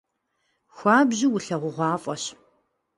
Xuabju vulheğuğuaf'eş.